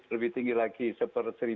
lebih tinggi lagi satu per seribu